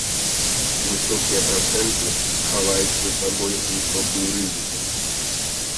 Высокія працэнты хаваюць за сабой высокую рызыку.